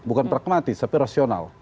bukan pragmatis tapi rasional